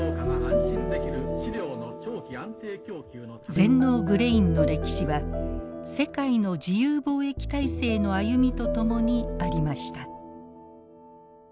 全農グレインの歴史は世界の自由貿易体制の歩みとともにありました。